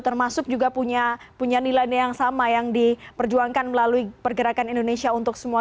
termasuk juga punya nilai yang sama yang diperjuangkan melalui pergerakan indonesia untuk semua